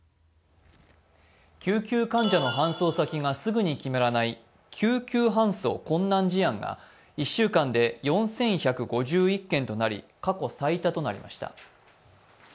救急患者の搬送先がすぐに決まらない救急搬送困難事案が１週間で４１５１件となり過去最多となりました。